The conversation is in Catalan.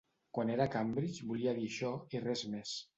Quan era a Cambridge volia dir això i res més.